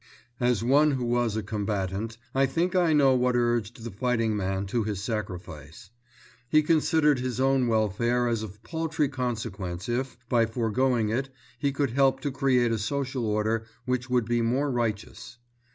As one who was a combatant, I think I know what urged the fighting man to his sacrifice. He considered his own welfare as of paltry consequence if, by foregoing it, he could help to create a social order which would be more righteous.